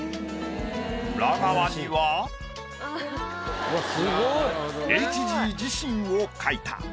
裏側にはＨＧ自身を描いた。